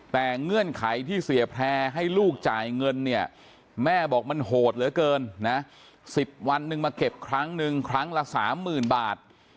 แต่เงื่อนไขที่เสียแพร่ให้ลูกจ่ายเงินเนี่ยแม่บอกมันโหดเหลือเกินนะ๑๐วันนึงมาเก็บครั้งหนึ่งครั้งละ๓๐๐๐บาท